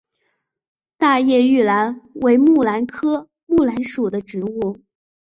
大叶玉兰为木兰科木兰属的植物。